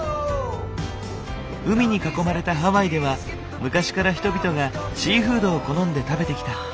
海に囲まれたハワイでは昔から人々がシーフードを好んで食べてきた。